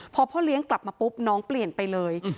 พอพ่อเลี้ยงกลับมาปุ๊บน้องเปลี่ยนไปเลย